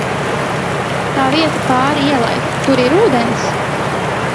Tā vieta pāri ielai, tur ir ūdens?